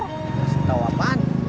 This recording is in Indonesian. kasih tau apaan